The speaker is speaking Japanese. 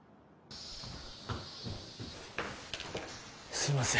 すいません